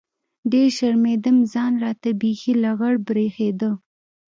ډېر شرمېدم ځان راته بيخي لغړ بريښېده.